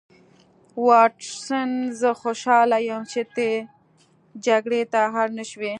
واټسن زه خوشحاله یم چې ته جګړې ته اړ نشوې